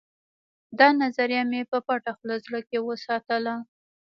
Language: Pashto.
دا نظریه مې په پټه خوله زړه کې وساتله